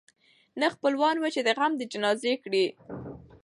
نه خپلوان وه چي دي غم د جنازې کړي